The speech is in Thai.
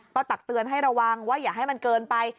ก็ตักเตือนให้ระวังว่าอย่าให้มันเกินไป